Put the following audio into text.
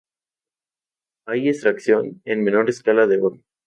Hay extracción en menor escala de oro.